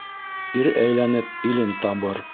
Ир әйләнеп, илен табыр.